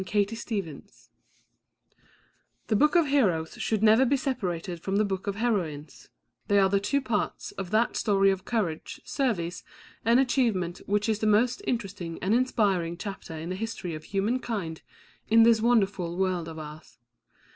INTRODUCTION The Book of Heroes should never be separated from the Book of Heroines; they are the two parts of that story of courage, service and achievement which is the most interesting and inspiring chapter in the history of human kind in this wonderful world of ours.